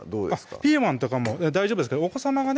ピーマンとかも大丈夫ですけどお子さまがね